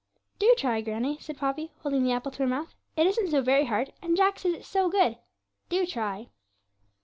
'Do try, granny,' said Poppy, holding the apple to her mouth; 'it isn't so very hard, and Jack says it's so good. Do try!'